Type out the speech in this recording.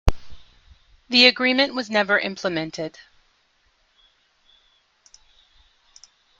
The agreement was never implemented.